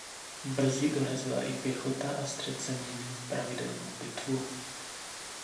Brzy dorazila i pěchota a střet se měnil v pravidelnou bitvu.